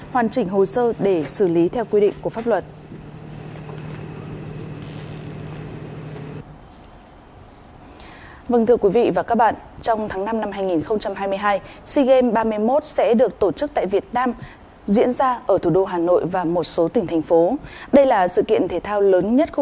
hoàn chỉnh hồ sơ để xử lý theo quy định của pháp luật